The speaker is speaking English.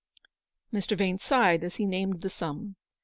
Mr. Vane sighed as he named the sum.